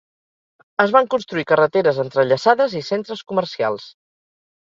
Es van construir carreteres entrellaçades i centres comercials.